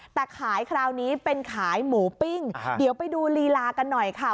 แต่ขายคราวนี้เป็นขายหมูปิ้งเดี๋ยวไปดูลีลากันหน่อยค่ะ